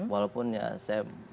walaupun ya saya